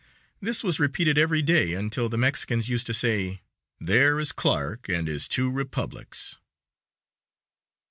This was repeated every day until the Mexicans used to say, "There is Clarke and his Two Republics."